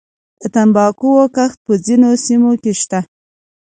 د تنباکو کښت په ځینو سیمو کې شته